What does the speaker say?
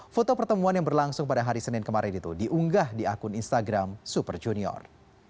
foto pertemuan yang berlangsung pada hari senin kemarin itu diunggah di akun instagram super junior